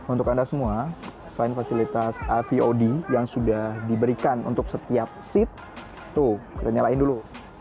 untuk anda semua selain fasilitas ipod yang sudah diberikan untuk setiap seat tuh kita nyalain dulu